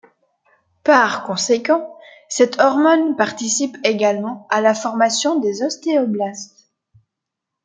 Par conséquent, cette hormone participe également à la formation des ostéoblastes.